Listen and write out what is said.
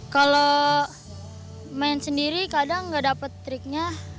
kalau main sendiri kadang nggak dapat triknya